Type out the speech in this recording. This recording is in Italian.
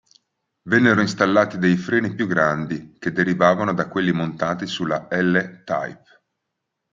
Vennero installati dei freni più grandi, che derivavano da quelli montati sulla L-Type.